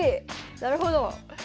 なるほど！